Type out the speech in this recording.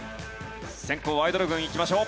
先攻アイドル軍いきましょう。